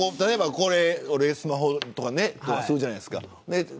スマホで撮るじゃないですか。